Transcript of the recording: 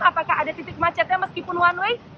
apakah ada titik macetnya meskipun one way